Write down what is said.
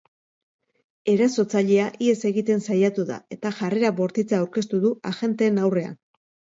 Erasotzailea ihes egiten saiatu da eta jarrera bortitza aurkeztu du agenteen aurrean.